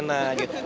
benar kata lena